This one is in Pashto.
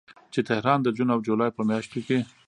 چې تهران د جون او جولای په میاشتو کې